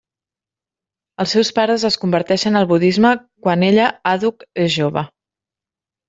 Els seus pares es converteixen al budisme quan ella àdhuc és jove.